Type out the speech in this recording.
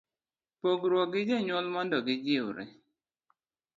C. Pogruok gi jonyuol mondo gijiwre